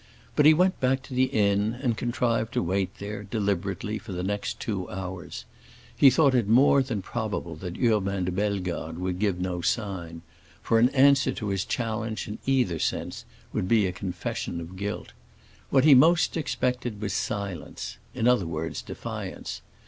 But he went back to the inn and contrived to wait there, deliberately, for the next two hours. He thought it more than probable that Urbain de Bellegarde would give no sign; for an answer to his challenge, in either sense, would be a confession of guilt. What he most expected was silence—in other words defiance.